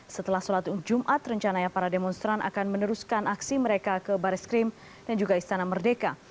setelah sholat jumat rencananya para demonstran akan meneruskan aksi mereka ke baris krim dan juga istana merdeka